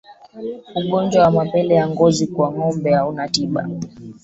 Ugonjwa wa mapele ya ngozi kwa ngombe hauna tiba